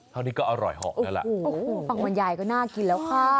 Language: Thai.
เท่านี้ก็อร่อยเหาะแล้วล่ะปังวันใหญ่ก็น่ากินแล้วค่ะ